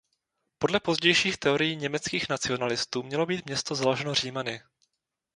Podle pozdějších teorií německých nacionalistů mělo být město založeno Římany.